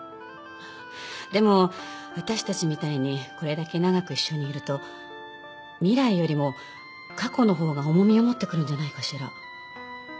でも私たちみたいにこれだけ長く一緒にいると未来よりも過去のほうが重みを持ってくるんじゃないかしら。